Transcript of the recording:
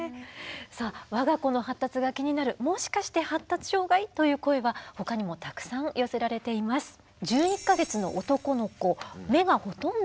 さあ我が子の発達が気になるもしかして発達障害？という声はほかにもたくさん寄せられています。